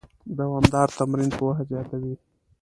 دوامداره تمرین پوهه زیاتوي.